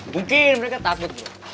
mungkin mereka takut bro